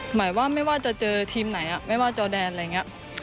หมายว่าไม่ว่าจะเจอทีมไหนไม่ว่าจอแดนอะไรอย่างนี้